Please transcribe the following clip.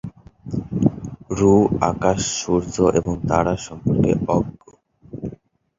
রু আকাশ, সূর্য এবং তারা সম্পর্কে অজ্ঞ।